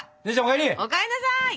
お帰んなさい！